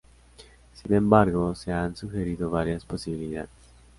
Sin embargo se han sugerido varias posibilidades.